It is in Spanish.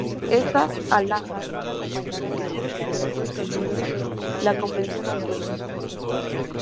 Estas alhajas van acompañadas de otros materiales que facilitan la comprensión arqueológica.